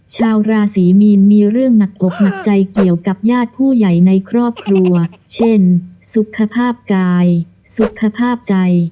ชาวราศรีมีนมีเรื่องหนักอกหนักใจเกี่ยวกับญาติผู้ใหญ่ในครอบครัวเช่นสุขภาพกายสุขภาพใจ